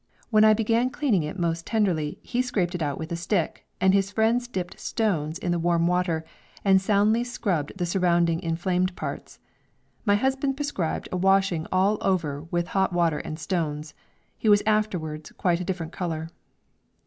When I began cleaning it most tenderly he scraped it out with a stick, and his friends dipped stones in the warm water and soundly scrubbed the surrounding inflamed parts. My husband prescribed a washing all over with hot water and stones. He was afterwards quite a different colour.